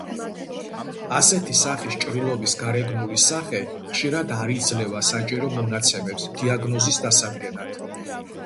ასეთი სახის ჭრილობის გარეგნული სახე ხშირად არ იძლევა საჭირო მონაცემებს დიაგნოზის დასადგენად.